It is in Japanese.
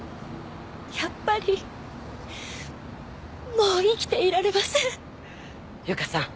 やっぱりもう生きていられません由香さん